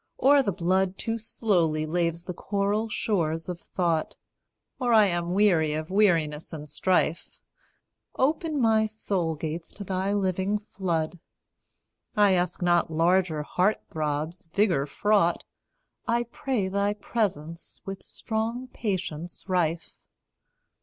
Or the blood Too slowly laves the coral shores of thought, Or I am weary of weariness and strife. Open my soul gates to thy living flood; I ask not larger heart throbs, vigour fraught, I pray thy presence, with strong patience rife.